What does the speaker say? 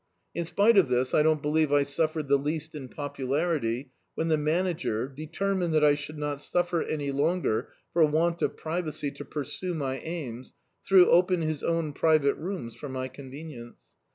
In spite of this, I don't Dictzed by Google Success believe I suffered the least in popularity when the Manager, detennined that I should not suffer any Iraigcr for want of privacy to pursue my aims, threw open his own private rooms for my ccnvenience.